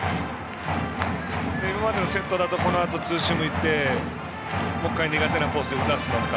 今までのセットだとこのあとツーシームいってもう１回苦手なコースで打たせるか。